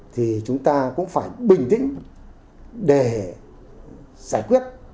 thì chúng ta cũng phải bình tĩnh để giải quyết